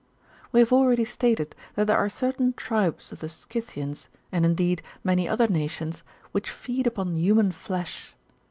"We have already stated, that there are certain tribes of the Scythians, and, indeed, many other nations, which feed upon human flesh.